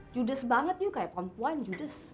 judes banget yuk kayak perempuan judes